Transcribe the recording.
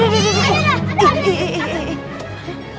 udah udah udah